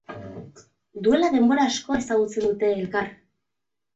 Duela denbora asko ezagutzen dute elkar.